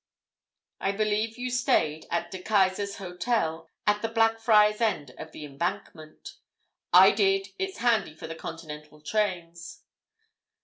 "I believe you stayed at De Keyser's Hotel, at the Blackfriars end of the Embankment?" "I did—it's handy for the continental trains."